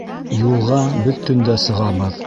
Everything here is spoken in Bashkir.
Юлға беҙ төндә сығабыҙ.